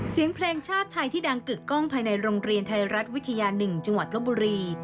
เสียงเพลงชาติไทยที่ดังกึกกล้องภายในโรงเรียนไทยรัฐวิทยา๑จังหวัดลบบุรี